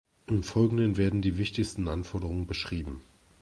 Im Folgenden werden die wichtigsten Anforderungen beschrieben: